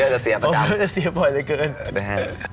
โอ้ฟอร์มมีครับ